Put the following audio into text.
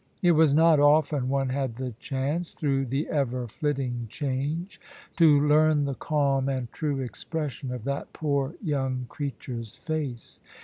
It was not often one had the chance, through the ever flitting change, to learn the calm and true expression of that poor young creature's face.